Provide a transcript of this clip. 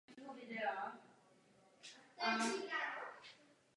Moskva dodnes odmítá zpřístupnit archivy o katyňském masakru.